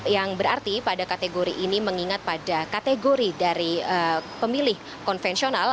yang berarti pada kategori ini mengingat pada kategori dari pemilih konvensional